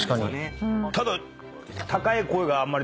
ただ。